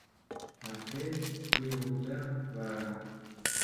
А те кӧ улыда вара?